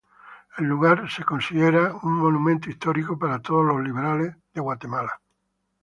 El lugar es considerado como un monumento histórico para todos los liberales de Guatemala.